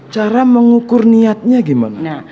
cara mengukur niatnya gimana